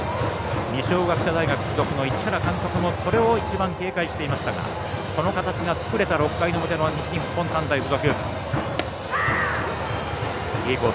二松学舎大付属の市原監督もそれを一番警戒していましたがその形が作れた６回の表の西日本短大付属。